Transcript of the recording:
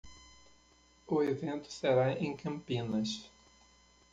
O evento será em Campinas.